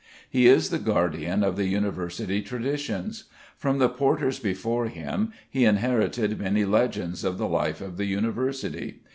He is the guardian of the university traditions. From the porters before him he inherited many legends of the life of the university.